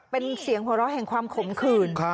เป็นเสียงหัวเราะแห่งความขมขื่น